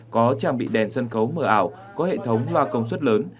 có trang bị đèn sân khấu mở ảo có hệ thống loa công suất lớn